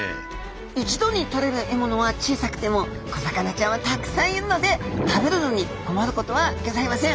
一度にとれる獲物は小さくても小魚ちゃんはたくさんいるので食べるのに困ることはギョざいません。